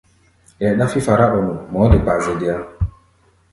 Ɛɛ ɗáfí fará-ɔ-nu, mɔɔ́ de kpaa zɛ deá.